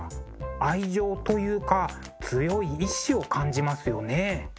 愛情というか強い意志を感じますよね。